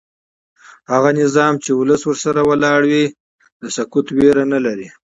هغه نظام چې ولس ورسره ولاړ وي د سقوط ویره نه لري